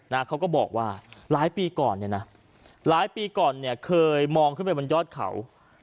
นะเขาก็บอกว่าหลายปีก่อนหลายปีก่อนเคยมองขึ้นไปบนยอดเขา